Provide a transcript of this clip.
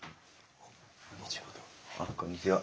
こんにちは。